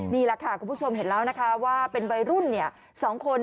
นี่แหละค่ะคุณผู้ชมเห็นแล้วนะคะว่าเป็นวัยรุ่น๒คน